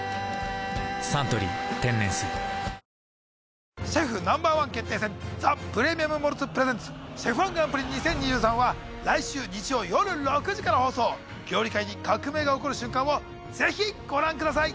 「サントリー天然水」シェフＮｏ．１決定戦ザ・プレミアム・モルツｐｒｅｓｅｎｔｓＣＨＥＦ−１グランプリ２０２３は来週日曜よる６時から放送料理界に革命が起こる瞬間をぜひご覧ください